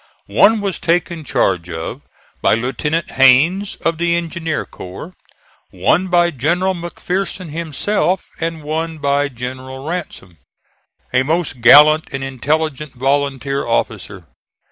One was taken charge of by Lieutenant Hains, of the Engineer Corps, one by General McPherson himself and one by General Ransom, a most gallant and intelligent volunteer officer.